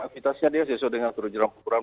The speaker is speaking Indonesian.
aktivitasnya dia sesuai dengan turun jenam program